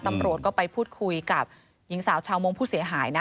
ตำรวจก็ไปพูดคุยกับหญิงสาวชาวมงค์ผู้เสียหาย